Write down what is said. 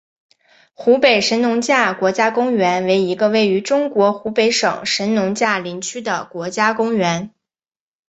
湖北神农架国家公园为一个位于中国湖北省神农架林区的国家公园。